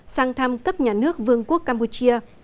sang thăm cấp nhà nước vương quốc campuchia